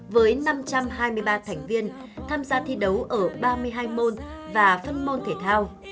với năm trăm hai mươi ba thành viên tham gia thi đấu ở ba mươi hai môn và phân môn thể thao